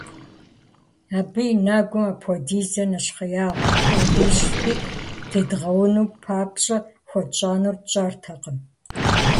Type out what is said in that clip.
Абы и нэгум апхуэдизкӀэ нэщхъеягъуэ куу къищырти, тедгъэун папщӏэ хуэтщӏэнур тщӏэртэкъым.